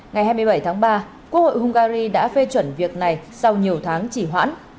ngày hai mươi bảy tháng ba quốc hội hungary đã phê chuẩn việc này sau nhiều tháng chỉ hoãn